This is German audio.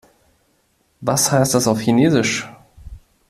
Was heißt das auf Chinesisch?